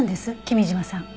君嶋さん。